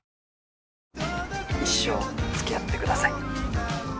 一生付き合ってください